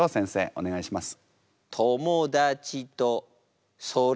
お願いします。